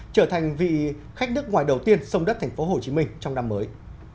trở thành vị khách nước ngoài đầu tiên sông đất tp hcm trong năm mới